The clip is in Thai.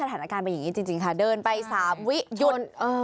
สถานการณ์เป็นอย่างนี้จริงค่ะเดินไป๓วิหยุด